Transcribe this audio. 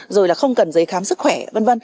rồi là không cần giấy khám sức khỏe v v